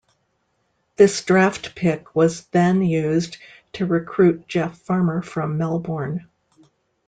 This draft pick was then used to recruit Jeff Farmer from Melbourne.